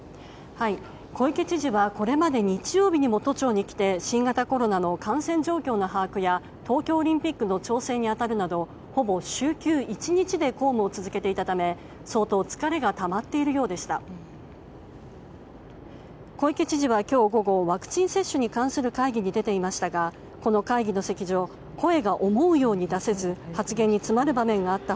小池知事はこれまでに日曜日にも都庁に来て新型コロナの感染状況の把握や東京オリンピックの調整に当たるなどほぼ週休１日で公務を続けていたため相当疲れがたまっているようでした。